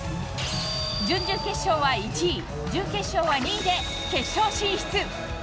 準々決勝は１位、準決勝は２位で、決勝進出。